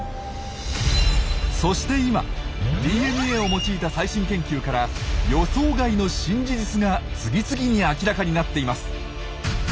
そして今ＤＮＡを用いた最新研究から予想外の新事実が次々に明らかになっています。